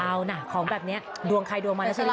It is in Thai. เอานะของแบบนี้ดวงใครดวงมาแล้วใช่ไหม